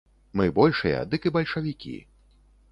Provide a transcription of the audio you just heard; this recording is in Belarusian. Мы большыя, дык і бальшавікі.